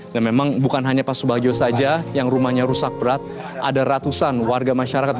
dan memang bukan hanya pak subagio saja yang rumahnya rusak berat ada ratusan warga masyarakat